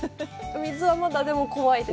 水はまだ怖いです。